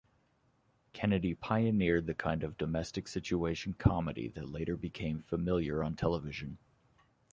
Kennedy pioneered the kind of domestic situation comedy that later became familiar on television.